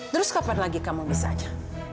terus kapan lagi kamu bisa aja